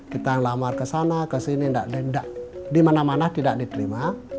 kita lamar ke sana ke sini di mana mana tidak diterima